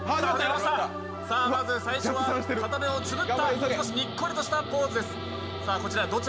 まず最初は片目をつぶったにっこりとしたポーズです。